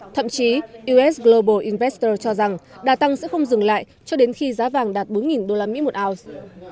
thậm chí us global invester cho rằng đà tăng sẽ không dừng lại cho đến khi giá vàng đạt bốn usd một ounce